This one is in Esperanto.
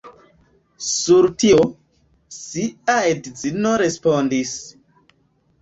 Sur tio, sia edzino respondis.